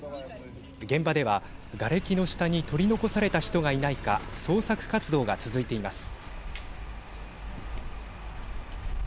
現場では、がれきの下に取り残された人がいないか捜索活動が続いています。